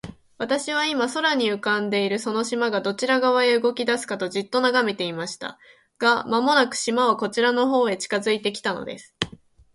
私は、今、空に浮んでいるその島が、どちら側へ動きだすかと、じっと眺めていました。が、間もなく、島はこちらの方へ近づいて来たのです。